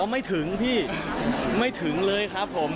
ไม่ถึงพี่ไม่ถึงเลยครับผม